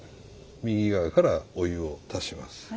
右側からお湯を足します。